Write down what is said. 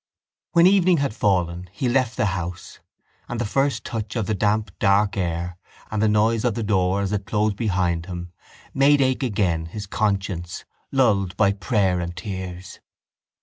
When evening had fallen he left the house, and the first touch of the damp dark air and the noise of the door as it closed behind him made ache again his conscience, lulled by prayer and tears.